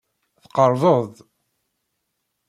Tqerrbeḍ-d.